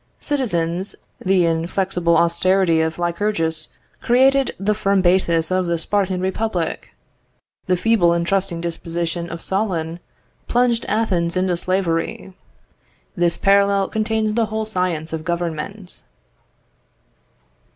Citizens, the inflexible austerity of Lycurgus created the firm basis of the Spartan republic. The feeble and trusting disposition of Solon plunged Athens into slavery. This parallel contains the whole science of Government."